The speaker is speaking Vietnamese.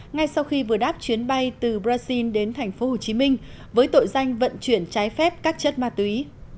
ngay sau khi vừa đáp chuyến bay từ brazil đến tp hcm với tội danh vận chuyển trái phép các chất ma túy